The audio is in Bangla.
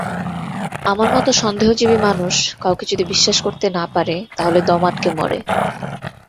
আমার মতো সন্দেহজীবী মানুষ কাউকে যদি বিশ্বাস না করতে পারে তাহলে দম আটকে মরে।